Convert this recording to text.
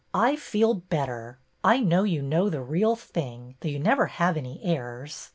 " I feel better. I know you know the real thing, though you never have any airs.